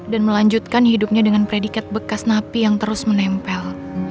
dan melanjutkan hidupnya dengan predikat bekas napi yang terus menempel